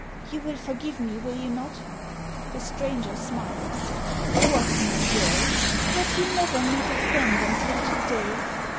You will forgive me, will you not ?" The stranger smiled. " What, my girl ! have you never met a friend until to day